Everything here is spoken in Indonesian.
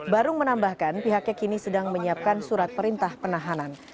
barung menambahkan pihaknya kini sedang menyiapkan surat perintah penahanan